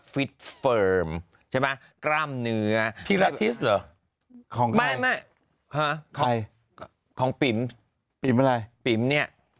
ฟิตเฟิร์มใช่ไหมกล้ามเนื้อพี่ลาทิสเหรอของไม่ฮะของใครของปิ๋มปิ๋มอะไรปิ๋มเนี่ย